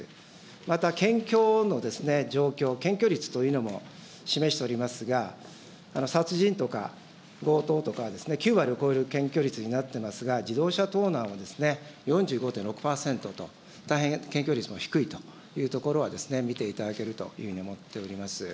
また、検挙の状況、検挙率というのも示しておりますが、殺人とか強盗とか、９割を超える検挙率になってますが、自動車盗難は４５．６％と、大変検挙率も低いというところは、見ていただけるというふうに思っております。